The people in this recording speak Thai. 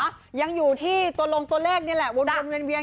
ยังอยู่ที่ตัวลงตัวเลขนี่แหละวนเวียน